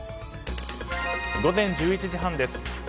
午前１１時半です。